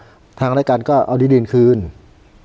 ยังไม่ได้รวมถึงกรณีว่าคุณปรินาจะได้ที่ดินเพื่อการเกษตรหรือเปล่า